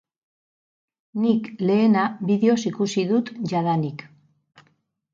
Nik lehena bideoz ikusi dut jadanik.